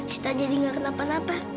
setelah jadi gak kenapa napa